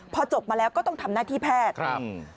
พอจบมาแล้วก็ต้องทำหน้าที่แพทย์ครับ